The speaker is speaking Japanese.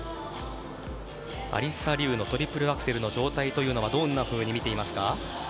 アリサ・リウのトリプルアクセルの状態はどんなふうに見ていますか？